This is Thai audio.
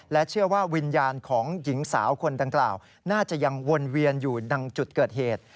เชื่อว่าวิญญาณของหญิงสาวคนดังกล่าวน่าจะยังวนเวียนอยู่ดังจุดเกิดเหตุ